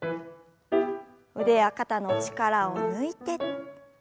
腕や肩の力を抜いて。